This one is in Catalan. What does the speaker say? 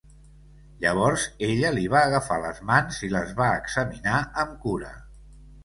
Llavors ella li va agafar les mans i les va examinar amb cura.